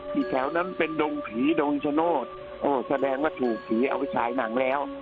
ที่แถวนั้นเป็นดงผีดงชโนธโอ้แสดงว่าถูกผีเอาไปฉายหนังแล้ว